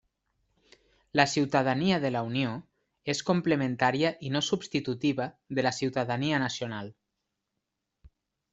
La ciutadania de la Unió és complementària i no substitutiva de la ciutadania nacional.